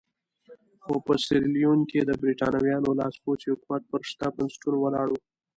خو په سیریلیون کې د برېټانویانو لاسپوڅی حکومت پر شته بنسټونو ولاړ وو.